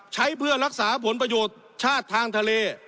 ใช้เพื่อรักษาผลประโยชน์ชาติทางทะเล